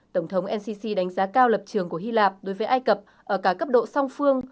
tổng thống ncc đánh giá cao lập trường của hy lạp đối với ai cập ở cả cấp độ song phương